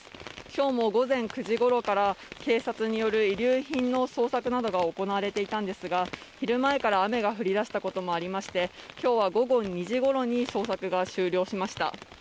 今日も午前９時ごろから警察による遺留品の捜索などが行われていたのですが、昼前から雨が降りだしたこともありまして、今日は午後２時ごろに捜索が終了しました。